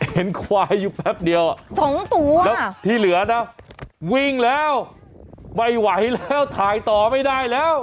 ควายอยู่แป๊บเดียว๒ตัวแล้วที่เหลือนะวิ่งแล้วไม่ไหวแล้วถ่ายต่อไม่ได้แล้ว